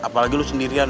apalagi lo sendirian